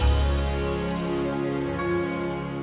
udah ada ojek ya